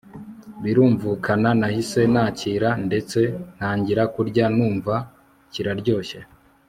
birumvukana nahise nakira ndetse ntangira kurya numva kiraryoshye